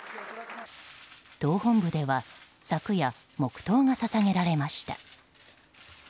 党本部では昨夜黙祷が捧げられました。